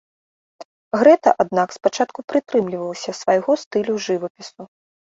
Грэта, аднак, спачатку прытрымлівалася свайго стылю жывапісу.